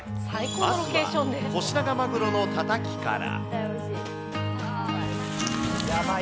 まずはコシナガマグロのたたきから。